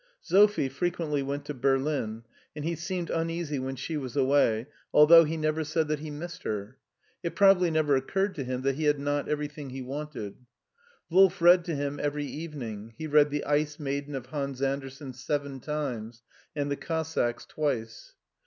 Sophie frequently went to Berlin, and he seemed un easy when she was away, although he never said that 994 SCHWARZWALD 295 I he missed her. It probably never occurred to him that he had not everything he wanted. Wolf read to him every evening; he read the "Ice Maiden of Hans Andersen seven times and "The Cossacks" twice.